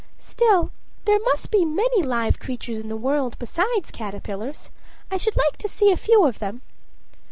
"Still there must be many live creatures in the world besides caterpillars. I should like to see a few of them."